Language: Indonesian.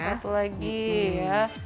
satu lagi ya